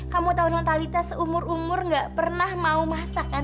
kamu tahu mentalitas seumur umur gak pernah mau masak kan